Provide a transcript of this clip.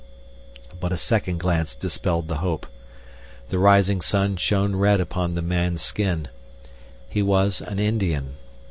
But a second glance dispelled the hope. The rising sun shone red upon the man's skin. He was an Indian.